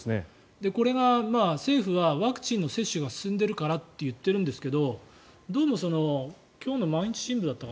これが、政府はワクチンの接種が進んでいるからと言っているんですけどどうも今日の毎日新聞だったか